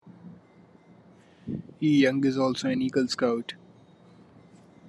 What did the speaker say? Young is also an Eagle Scout.